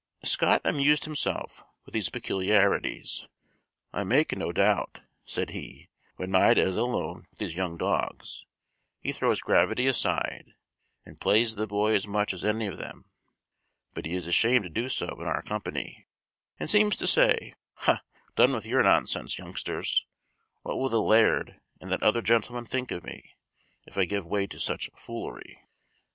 Scott amused himself with these peculiarities. "I make no doubt," said he, "when Maida is alone with these young dogs, he throw's gravity aside, and plays the boy as much as any of them; but he is ashamed to do so in our company, and seems to say, 'Ha' done with your nonsense, youngsters: what will the laird and that other gentleman think of me if I give way to such foolery?'"